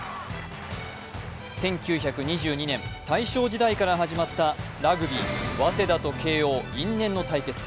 １９２２年、大正時代から始まったラグビー、早稲田と慶応因縁の対決。